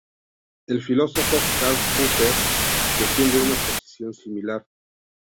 El filósofo Karl Popper defiende una posición similar.